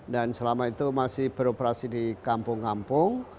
dan selama itu masih beroperasi di kampung kampung